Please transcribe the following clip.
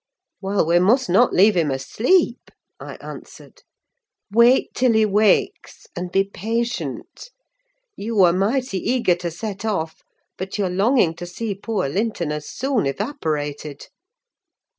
"Well, we must not leave him asleep," I answered; "wait till he wakes, and be patient. You were mighty eager to set off, but your longing to see poor Linton has soon evaporated!"